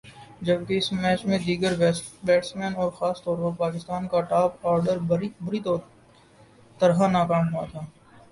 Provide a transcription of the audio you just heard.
جبکہ اس میچ میں دیگر بیٹسمین اور خاص طور پر پاکستان کا ٹاپ آرڈر بری طرح ناکام ہوا تھا ۔